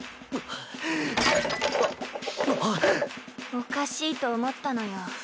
おかしいと思ったのよ。